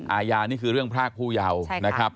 อาญานี่คือเรื่องพรากผู้เยาว์นะครับ